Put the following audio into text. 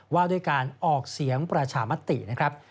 ว่าด้วยการออกเสียงประชามตินะครับ